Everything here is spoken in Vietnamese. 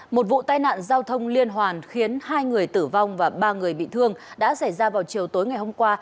một vụ tai nạn giao thông liên hoàn khiến hai người tử vong và ba người bị thương đã xảy ra vào chiều tối ngày hôm qua